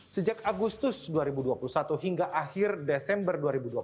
sejak agustus dua ribu dua puluh satu hingga akhir desember dua ribu dua puluh satu